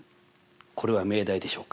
これは命題でしょうか？